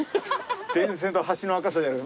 電線と橋の赤さじゃない。